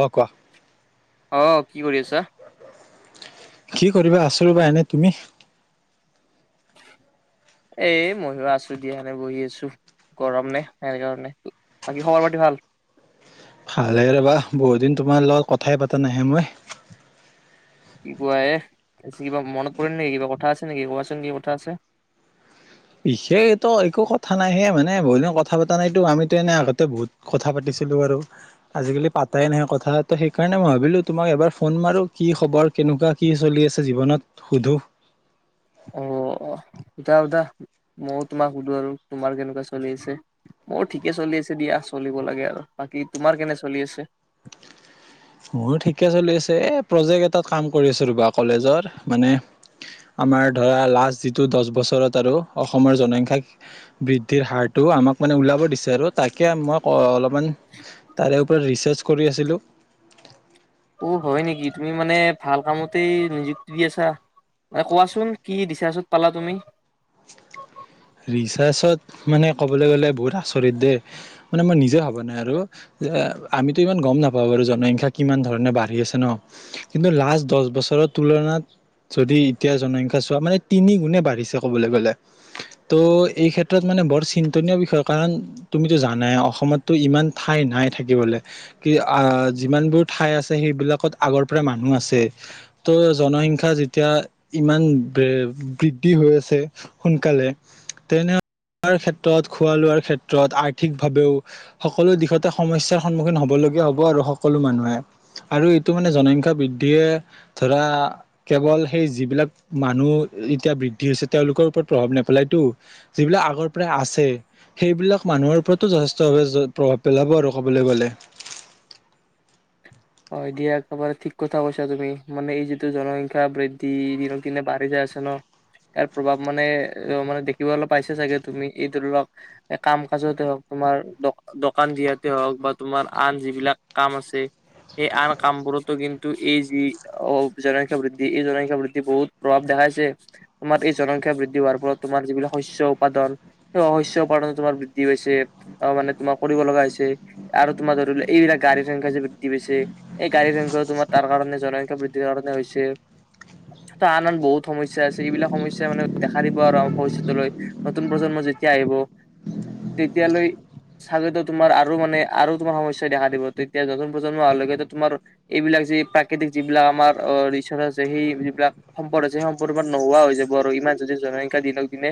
আৰু কোৱা আহ কি কৰি আছা কি কৰিবা আছো ৰবা এনে তুমি এ মইয়ও আছো দিয়া বহি আছো গৰম নে সেনে কাৰণে বাকী খবৰ পাতি ভাল ভালেইে ৰবা বহুত দিন তোমাৰ লগত কথাই পাতা নাহে মই কি কোৱা এ কিবা মনত পৰি নে কিবা কথা আছে নেকি কোৱাচোন কি কথা আছে বিশেষ একো কথা নাই হে মানে বহুদিন কথা পতা নাইতো আমিতো এনে আগতে বহুত কথা পাতিছিলো আৰু আজিকালি পাতাই নাহে কথা তো সেইকাৰণে মই ভাবিলো তোমাক এবাৰ ফোন মাৰো কি খবৰ কেনেকুৱা কি চলি আছে জীৱনত সুধো অ সুধা সোধা ময়ও তোমাক সুধো আৰু তোমাৰ কেনেকুৱা চলি আছে ময়ো ঠিকে চলি আছে দিয়া চলিব লাগে আৰু বাকী তোমাৰ কেনে চলি আছে মোৰ ঠিকে চলি আছে এই প্ৰজেক্ট এটাত কাম কৰি আছোঁ ৰবা কলেজৰ মানে আমাৰ ধৰা লাষ্ট যিটো দহ বছৰত আৰু অসমৰ জনসংখ্যা বৃদ্ধিৰ হাৰটো আমাক মানে ওলাব দিছে আৰু তাকে মই অলপমান তাৰে ওপৰত ৰিচাৰ্চ কৰি আছিলোঁ অ হয় নেকি তুমি মানে ভাল কামতে নিযুক্তি দি আছা মানে কোৱাচোন কি দিছাচত পালা তুমি ৰিচাৰ্চত মানে কবলৈ গলে বহুত আচৰিত দেই মানে মই নিজে ভবা নাই আৰু যে আমিতো ইমান গম নাপাওঁ বাৰু জনসংখ্যা কিমান ধৰণে বাঢ়ি আছে ন কিন্তু লাষ্ট দহ বছৰৰ তুলনাত যদি এতিয়া জনসংখ্যা চোৱা মানে তিনি গুণে বাঢ়িছে কবলৈ গলে ত' এই ক্ষেত্ৰত মানে বৰ চিন্তনীয় বিষয় কাৰণ তুমিতো জানাই অসমততো ইমান ঠাই নাই থাকিবলৈ কি যিমানবোৰ ঠাই আছে সেইবিলাকত আগৰ পৰা মানুহ আছে ত' জনসংখ্যা যেতিয়া ইমান বৃদ্ধি হৈ আছে সোনকালে তেনে ক্ষেত্ৰত খোৱা লোৱাৰ ক্ষেত্ৰত আৰ্থিকভাৱেও সকলো দিশতে সমস্যাৰ সন্মুখীন হব লগগীয়া হব আৰু সকলো মানুহে আৰু এইটো মানে জনসংখ্যা বৃদ্ধিয়ে ধৰা কেৱল সেই যিবিলাক মানুহ এতিয়া বৃদ্ধি হৈছে তেওঁলোকৰ ওপৰত প্ৰভাৱ নাপ যিবিলাক আগৰ পৰা আছে সেইবিলাক মানুহৰ ওপৰতো যথেষ্টভাৱে প্ৰভাৱ পেলাব আৰু ক'বলৈ গলে হয় দিয়া একেবাৰে ঠিক কথা কৈছা তুমি মানে এই যিটো জনসংখ্যা বৃদ্ধি দিনক দিনে বাঢ়ি যাই আছে ন ইয়াৰ প্ৰভাৱ মানে অ মানে দেখিবল পাইছে চাগে তুমি এই ধৰি লক কাম কাজতে হওক তোমাৰ দোকান দিয়াতে হওক বা তোমাৰ আন যিবিলাক কাম আছে এই আন কাম বোৰতো কিন্তু এই যি অ জনসংখ্যা বৃদ্ধি এই জনসংখ্যা বৃদ্ধি বহুত প্ৰভাৱ দেখাইছে তোমাৰ এই জনসংখ্যা বৃদ্ধি হোৱাৰ ফলত তোমাৰ যিবিলাক শস্য উপাদান সেই শস্য উপাদনো তোমাৰ বৃদ্ধি পাইছে আহ মানে তোমাৰ কৰিব লগা হৈছে আৰু তোমাৰ ধৰি ল এইবিলাক গাড়ীৰ সংখ্যা যে বৃদ্ধি পাইছে এই গাড়ীৰ সংখ্যা তোমাৰ তাৰ কাৰণে জনসংখ্যা বৃদ্ধিৰ কাৰণে হৈছে ত আন আন বহুত সমস্যা আছে এইবিলাক সমস্যা মানে দেখা দিব আৰু আমাৰ ভৱিষয়তলৈ নতুন প্ৰজন্ম যেতিয়া আহিব তেতিয়ালৈ চাগৈ তোমাৰ আৰু মানে আৰু তোমাৰ সমস্যাই দেখা দিব তেতিয়া নতুন প্ৰজন্ম অহালৈকে টো তোমাৰ এইবিলাক যি প্ৰাকৃতিক যিবিলাক আমাৰ অ ৰিচ'ৰ্চ আছে সেই যিবিলাক সম্পদ আছে সেই সম্পদ সমূহ নোহোৱা হৈ যাব আৰু ইমান যদি জনসংখ্যা দিনক দিনে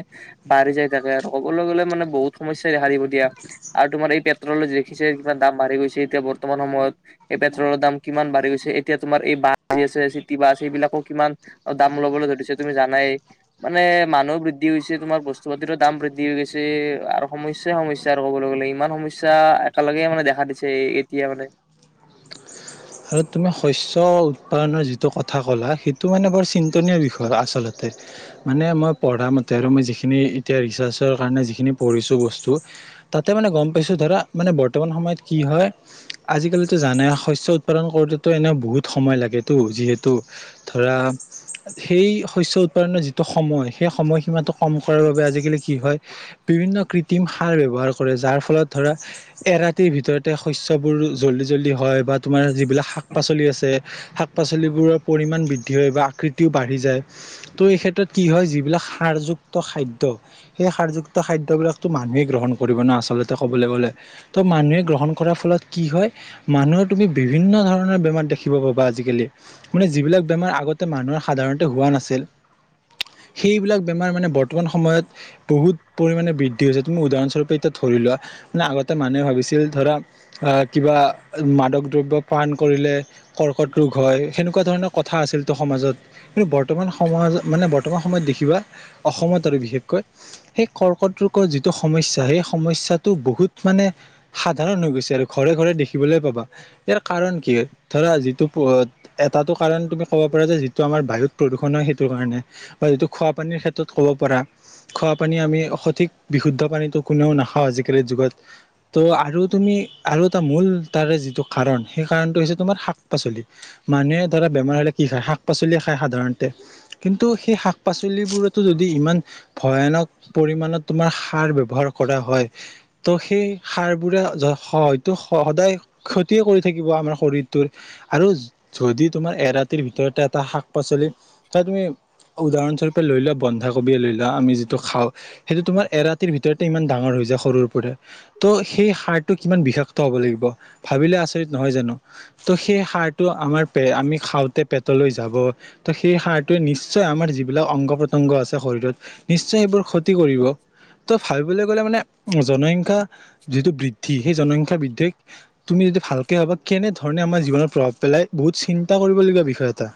বাঢ়ি যায় থাকে আৰু ক'বলৈ গলে মানে বহুত সমস্যাই দেখা দিব দিয়া আৰু তোমাৰ এই পেট্ৰলত দেখিছে কিমান দাম বাঢ়ি গৈছে এতিয়া বৰ্তমান সময়ত পেট্ৰ পেট্ৰলৰ দাম কিমান বাঢ়ি গৈছে এতিয়া তোমাৰ এই বাছ আহি আছে চিটি বাছ এইবিলাকো কিমান দাম লবলৈ ধৰিছে তুমি জানাই মানে মানুহ বৃদ্ধি হৈছে তোমাৰ বস্তু পাতিৰো দাম বৃদ্ধি হৈছে আৰু সমস্যাই সমস্যা আৰু কবলৈ গ'লে ইমান সমস্যা একেলগে মানে দেখা দিছে এতিয়া মানে আৰু তুমি শস্য উৎপাদনৰ যিটো কথা ক'লা সেইটো মানে বৰ চিন্তনীয় বিষয় আচলতে মানে মই পঢ়া মতে আৰু মই যিখিনি এতিয়া ৰিচাৰ্চৰ কাৰণে যিখিনি পঢ়িছো বস্তু তাতে মানে গম পাইছো ধৰা মানে বৰ্তমান সময়ত কি হয় আজিকালিতো জানাই শস্য উৎপাদন কৰোতেতো এনে বহুত সময় লাগেতটো যিহেতু ধৰা সেই শস্য উৎপাদনৰ যিটো সময় সেই সময় সীমাটো কম কৰাৰ বাবে আজিকালি কি হয় বিভিন্ন কৃ কৃত্ৰিম সাৰ ব্যৱহাৰ কৰে যাৰ ফলত ধৰা এৰাতিৰ ভিতৰতে শস্যবোৰ জল্দি জল্দি হয় বাট তোমাৰ যি বিলাক শাক পাচলি আছে শাক পাচলিবোৰৰ পৰিমান বৃদ্ধি হয় বা আকৃতিও বাঢ়ি যায় ত' এই ক্ষেত্ৰত কি হয় যিবিলাক সাৰযুক্ত খাদ্য সেই সাৰযুক্ত খাদ্যবোৰক মানুহে গ্ৰহণ কৰিব ন আচলতে ক'বলৈ গ'লে ত' মানুহে গ্ৰহণ কৰাৰ ফলত কি হয় মানুৰ তুমি বিভিন্ন ধৰণৰ বেমাৰ দেখিৱাবলৈ পাবা আজিকালি মানে যিলাক বেমাৰ আগতে মানুহৰ সাধাৰণতে হোৱা নাছিল সেইবিলাক বেমাৰ মানে বৰ্তমান সময়ত বহুত পৰিমাণে বৃদ্ধি হৈছে তুমি উদাহৰণ স্বৰূপে এতিয়া ধৰিলোৱা না আগতে মানুহে ভাবিছিল ধৰা এ কিবা মাদক দ্ৰব্য পান কৰিলে কৰ্কট ৰোগ হয় সেনেকুৱা ধৰণৰ কথা আছিলতো সমাজত কিন্তু বৰ্তমান সমাজ মানে বৰ্তমান সময়ত দেখিবা অসমত ধৰ বিশেষকৈ সেই কৰ্কট ৰোগৰ যিটো সমস্যা সেই সমস্যাটো বহুত মানে সাধাৰণ হৈ গৈছে আৰু ঘৰে ঘৰে দেখিবলৈ পাবা ইয়াৰ কাৰণ কি হয় ধৰা যিটো এটাটো কাৰণ তুমি ক'ব পাৰা যে যিটো আমাৰ বায়ুত প্ৰদূষণ হয় সেইটো কাৰণে বা যিটো খোৱ পানীৰ ক্ষেত্ৰত কব পাৰা খোৱা পানী আমি সঠিক বিশুদ্ধ পানীটো কোনেও নাখাওঁ আজিকালিৰ যুগত ত' আৰু তুমি আৰু এটা মূল তাৰে যিটো কাৰণ সেই কাৰণটো হৈছে তোমাৰ শাক পাচলি, মানে ধৰা বেমাৰ হ'লে কি খায় শাক পাচলিয়ে খায় সাধাৰণতে, কিন্তু সেই শাক পাচলিবোৰতো যদি ইমান ভয়ানক পৰিমানত তোমাৰ সাৰ ব্যৱহাৰ কৰা হয় ত সেই সাৰবোৰে যোগ হৈ টো সদায় ক্ষ তিয় কৰি থাকিব আমাৰ শৰীৰটোৰ আৰু যদি তোমাৰ এৰাতিৰ ভিতৰতে এটা শাক পাচলি চা তুমি উদাহৰণস্বৰূপে লৈ লোৱা বন্ধা কবিয়ে লৈ লোৱা আমি যিটো খাও, সেইটো তোমাৰ এৰাতিৰ ভিতৰতে ইমান ডাঙৰ হৈ যায় সৰুৰ পৰা ত' সেই সাৰটো কিমান বিষাক্ত হব লাগিব। ভাবিলে আচৰিত নহয় জানো, ত' সেই সাৰটো আমাৰ আমি খাওঁতে পেটলৈ যাব ত' সেই সাৰটোৱে নিশ্চয় আমাৰ যিবিলাক অংগ প্ৰতংগ আছে শৰীৰত নিশ্চয় সেইবোৰ ক্ষতি কৰিব ত' ভাবিবলৈ গলে মানে জনসংখ্যা যিটো বৃদ্ধি সেই জনসংখ্যা বৃদ্ধিক তুমি যদি ভালকে ভবা কেনেধৰণে আমাৰ জীৱনত প্ৰভাৱ পেলাই বহুত চিন্তা কৰিবলগীয়া বিষয় এটা।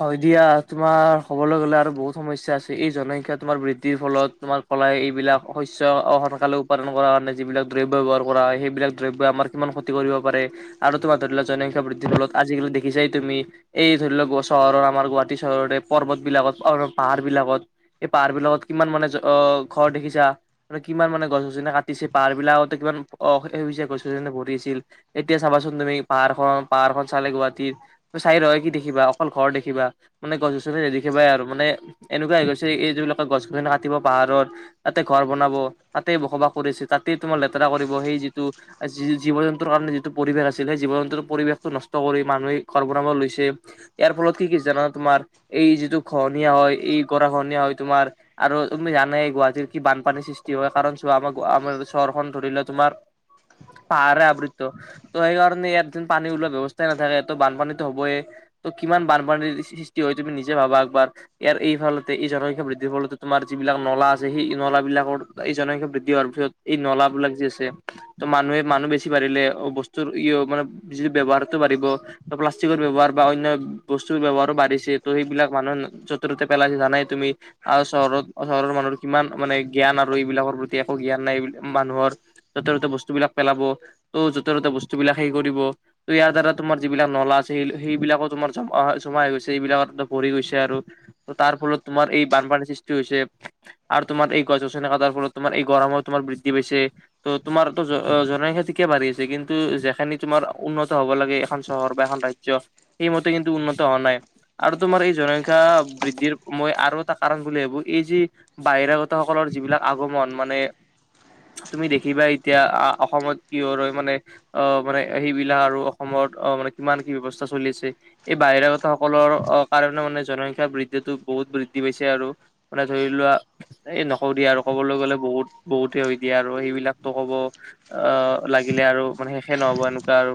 হয় দিয়া, তোমাৰ কবলৈ গলে আৰু বহুত সমস্যা আছে এই জনসংখ্যা তোমাৰ বৃদ্ধিৰ ফলত তোমাৰ কলাই এইবিলাক শস্য সোনকালে উৎপাদন কৰাৰ কাৰণে যিবিলাক দ্ৰব্য ব্যৱহাৰ কৰা হয়, সেইবিলাক দ্ৰব্য আমাৰ কিমান ক্ষতি কৰিব পাৰে আৰু তোমাৰ ধৰি লোৱা জনসংখ্যা বৃদ্ধিৰ ফলত আজিকালি দেখিছাই তুমি এই ধৰি লোৱা গছ চহৰৰ আমাৰ গুৱাহাটী চহৰতে পৰ্বত বিলাকত, পাহাৰ বিলাকত এই পাহাৰ বিলাকত কিমান মানে অ ঘৰ দেখিছা, কিমান মানে গছ গছনি কাটিছে, পাহাৰ বিলাকতে কিমান অ আগতে গছ গছনি ভৰি আছিল এতিয়া চাবাচোন তুমি পাহাৰখন, পাহাৰখন চালে গুৱাহাটীৰ চাইৰ‌ও কি দেখিবা অকল ঘৰ দেখিবা, মানে গছ গছনি নেদেখিবাই আৰু মানে এনেকুৱা হৈ গৈছে এই যিবিলাকে গছ গছনি কাটিব পাহাৰৰ, তাতে ঘৰ বনাব, তাতেই বসবাস কৰি আছে তাতে তোমাৰ লেতেৰা কৰিব সেই যিটো জীৱ জন্তুৰ কাৰণে যিটো পৰিৱেশ আছিল সেই জীৱ জন্তুৰ পৰিৱেশটো নষ্ট কৰি মানুহে ঘৰ বনাব লৈছে। ইয়াৰ ফলত কি কিছে জানা তোমাৰ, এই যিটো গহনীয়া হয় এই গৰা ঘহনীয়া হয় তোমাৰ আৰু তুমি জানে গুৱাহাটীৰ কি বানপানীৰ সৃষ্টি হয় কাৰণ চোৱা আমাৰ আমাৰ চহৰখন ধৰি ললে তোমাৰ, পাহাৰে আবৃত্ত ত সেইকাৰণে ইয়াত যেন পানী ওলোৱা ব্যৱস্থাই নাথাকে তো বানপানীতো হবয়ে ত কিমান বানপানীৰ সৃষ্টি হয় তুমি নিজে ভাবা একবাৰ, ইয়াৰ এই ধৰনতে এই জনসংখ্যা বৃদ্ধিৰ হল তোমাৰ যিবিলাক নলা আছে সেই নলাবিলাকৰ এই জনসংখ্যা বৃদ্ধি হোৱাৰ পিছত এই নলাবিলাক যি আছে ত মানুহে মানুহ বেছি বাঢ়িলে বস্তুৰ মানে যি ব্যৱহাৰটো বাঢ়িব, প্লাষ্টিকৰ ব্যৱহাৰ বা অন্য বস্তু ব্যৱহাৰো বাঢ়িছে, ত' সেইবিলাক মানুহে যতে পেলাইছে জানাই তুমি আৰু চহৰত চহৰৰ মানুহৰ কিমান মানে জ্ঞান আৰু এইবিলাকৰ প্ৰতি একো জ্ঞান নাই এইবিলাক মানুহৰ যতে ততে বস্তু বিলাক পেলাব ত' যতে ততে বস্তু বিলাক সেই কৰিব ত ইয়াৰ দ্বাৰা তোমাৰ যিবিলাক নলা সেই সেইবিলাকো তোমাৰ জমা জমা হৈ গৈছে এইবিলাকত ভৰি গৈছে আৰু ত তাৰ ফলত তোমাৰ এই বানপানীৰ সৃষ্টি হৈছে আৰু তোমাৰ এই গছ গছনি কটাৰ ফলত তোমাৰ এই গৰমত তোমাৰ বৃদ্ধি হৈছে, ত' তোমাৰতো জনসংখ্যা ঠিকেই কে বাঢ়ি আছে কিন্তু যিখিনি তোমাৰ উন্নত হব লাগে এখন চহৰ বা এখন ৰা জ্য, সেইমতে কিন্তু উন্নত হোৱা নাই আৰু তোমাৰ এই জনসংখ্যা বৃদ্ধিৰ মই আৰু এটা কাৰণ বুলি ভাবো এই যি বাহিৰাগত সকলৰ যিবিলাক আগমন মানে, তুমি দেখিবা এতিয়া অসমত কি হয় মানে, অ মানে সেইবিলাক আৰু অসমৰ অ মানে কিমান কি ব্যৱস্থা চলি আছে এই বাহিৰাগত সকলৰ অ কাৰণে মানে জনসংখ্যা বৃদ্ধি বহুত বৃদ্ধি হৈছে আৰু মানে ধৰি লোৱা, এই নকও দিয়ে আৰু কবলৈ গলে বহুত বহুত হৈ দিয়ে আৰু সেইবিলাকতো কব, অ লাগিলে আৰু মানে শেষে নহব এনেকুৱা আৰু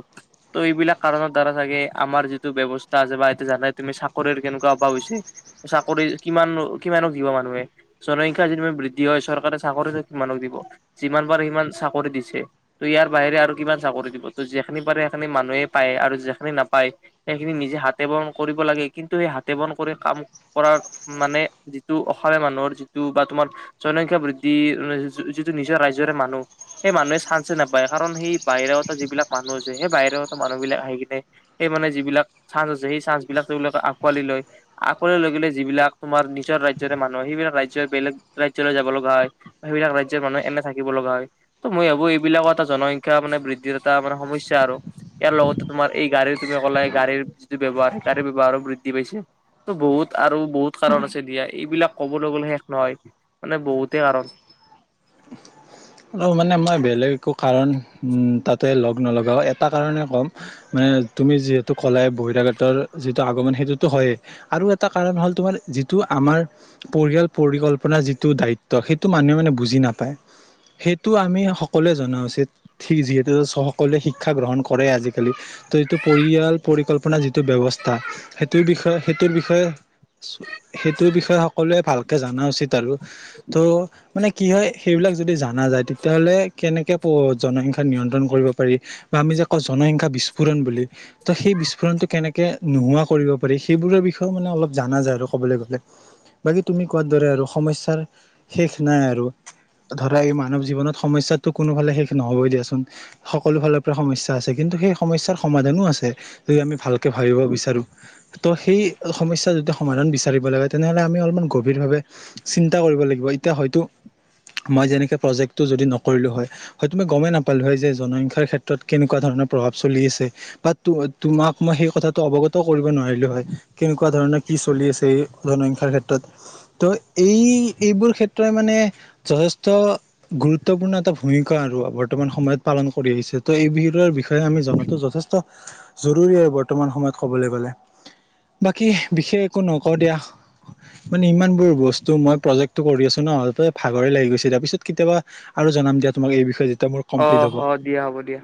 ত' এইবিলাক কাৰণত দ্বাৰা চাগে আমাৰ যিটো ব্যৱস্থা আছে বা এতিয়া জানাই তুমি চাকৰিৰ কেনেকুৱা অভাৱ হৈছে, চাকৰি কিমান নো কিমানক দিব মানুহে, জনসংখ্যা যি বৃদ্ধি হয় চৰকাৰে চাকৰি কিমানক দিব, যিমান পাৰে সিমান চাকৰি দিছে, ত ইয়াৰ বাহিৰে আৰু কিমান চাকৰি দিব ত যিখিনি পাৰে সেইখিনি মানুহে পায় আৰু যিখিনি নাপায়, সেইখিনি নিজে হাতে বন কৰিব লাগে কিন্তু সেই হাতে বন কৰি কাম কৰা মানে যিটো অসমীয়া মানুহৰ যিটো বা তোমাৰ জনসংখ্যা বৃদ্ধি যিটো নিজৰ ৰাজ্যৰে মানুহ সেই মানুহে চাঞ্চে নাপায় কাৰণ সেই বাহিৰাগত যিবিলাক মানুহ আছে সেই বাহিৰাগত মানুহ বিলাক আহি সেই মানে যিবিলাক চাঞ্চ আছে সেই চাঞ্চ বিলাক তেওঁলোকে আঁকোৱালি লয়, আকোৱালি লৈ গলে যিবিলাক তোমাৰ নিজৰ ৰাজ্যৰে মানুহ হয় সেইবিলাক ৰাজ্যৰ বেলেগ ৰাজ্যলৈ যাব লগা হয় বা সেইবিলাক ৰাজ্যৰ মানুহ এনে থাকিব লগা হয়, ত মই ভাবো এইবিলাকৰ এটা জনসংখ্যা মানে বৃদ্ধিৰ এটা মানে সমস্যা আৰু ইয়াৰ লগতে তোমাৰ এই গাড়ীৰ তুমি ক'লে গাড়ীৰ যিটো ব্যৱহাৰ, গাড়ীৰ ব্যৱহাৰো বৃদ্ধি হৈছে, ত' বহুত আৰু বহুত কাৰণ আছে দিয়া এইবিলাক কবলৈ গলে শেষ নহয়, মানে বহুতে কাৰণ আৰু মানে মই বেলেগ একো কাৰণ উম তাতে লগ নলগাও এটা কাৰণে ক'ম মানে তুমি যিহেতু কলা বহিৰাগতৰ যিটো আগমন সেইটোতো হয়েই আৰু এটা কাৰণ হ'ল তোমাৰ যিটো আমাৰ পৰিয়াল পৰিকল্পনাৰ যিটো দায়িত্ব, সেইটো মানুহে মানে বুজি নাপায় সেইটো আমি সকলোৱে জনা উচিত, ঠিক যিহেতু সকলোৱে শিক্ষা গ্ৰহণ কৰে আজিকালি, ত' এইটো পৰিয়াল, পৰিকল্পনা যিটো ব্যৱস্থা সেইটোৰ বিষয়ে সেইটোৰ বিষয়ে, সেইটোৰ বিষয়ে সকলোৱে ভালকে জনা উচিত আৰু, ত মানে কি হয় সেইবিলাক যদি জান নাযায় তেতিয়াহলে কেনেকে পঢ় জনসংখ্যা নিয়ন্ত্ৰণ কৰিব পাৰি বা আমি যে কওঁ জনসংখ্যা বিস্ফোৰণ বুলি, ত সেই বিস্ফোৰণটো কেনেকে নোহোৱা কৰিব পাৰি সেইবোৰৰ বিষয়েও মানে অলপ জানা যায় আৰু ক'বলৈ গলে, বাকী তুমি কোৱাৰ দৰে আৰু সমস্যাৰ শেষ নাই আৰু ত ধৰ এই মানৱ জীৱনত সমস্যাটো কোনোফালে শেষ নহবই দিয়াচোন, সকলো ফালৰ পৰা সমস্যা আছে কিন্তু সেই সমস্যাৰ সমাধানো আছে, এই আমি ভালকে ভাবিব বিচাৰোঁ ত' সেই সমস্যা যদি সমাধান বিচাৰিব লাগে, তেনেহলে আমি অলপমান গভীৰ ভাৱে চিন্তা কৰিব লাগিব এতিয়া হয়তো, মই যেনে প্ৰজেক্টো যদি নকৰিলো হয়, হয়তো মই গমেই নাপালো হয় যে জনসংখ্যাৰ ক্ষেত্ৰত কেনেকুৱা ধৰণৰ প্ৰভাৱ চলি আছে, বা তোমাক মই সেই কথাটো অৱগত কৰিব নোৱাৰিলো হয় কেনেকুৱা ধৰণৰ কি চলি আছে এই জনসংখ্যাৰ ক্ষেত্ৰত, ত' এই এইবোৰ ক্ষেত্ৰই মানে যথেষ্ট গুৰুত্বপূৰ্ণ এটা ভূমিকা আৰু বৰ্তমান সময়ত পালন কৰি আহিছে, ত' এই বিহৰ বিষয়ে আমি জনাটো যথেষ্ট জৰুৰী আৰু বৰ্তমান সময়ত কবলৈ গলে, বাকী বিশেষ একো নক দিয়া, মানে ইমান বোৰ বস্তু মই প্ৰজেক্টটো কৰি আছো ন ভাগৰে লাগি গৈছে তাৰপিছত কেতিয়াবা আৰু জনাম দিয়া তোমাক এই বিষয়ে যেতিয়া মোৰ অ কমপ্লিট হ'ব। অ দিয়া হ'ব দিয়া।